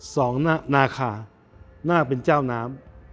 สองนาคาหน้าเป็นเจ้าน้ำ